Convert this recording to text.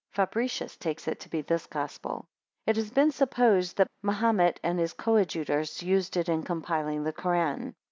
Fabricius takes it to be this Gospel. It has been supposed, that Mahomet and his coadjutors used it in compiling the Koran.